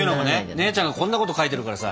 姉ちゃんがこんなこと書いてるからさ。